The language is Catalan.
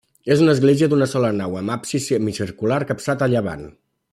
És una església d'una sola nau amb absis semicircular capçat a llevant.